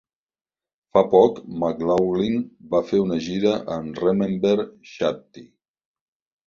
Fa poc, McLaughlin va fer una gira amb Remember Shakti.